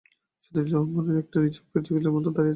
সত্য জিনিসটা ওর মনে একটা নিছক প্রেজুডিসের মতো দাঁড়িয়ে গেছে।